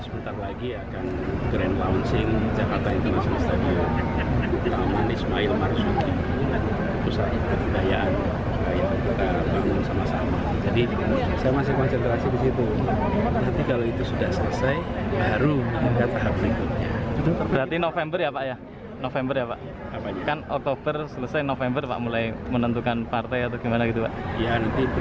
berarti kalau itu sudah selesai baru mencabat tahap berikutnya